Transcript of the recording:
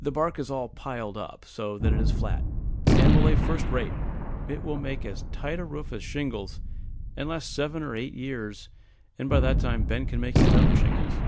The bark is all piled up, so that it is flat, and will lay first rate; it will make as tight a roof as shingles, and last seven or eight years, and by that time Ben can make his own shingles.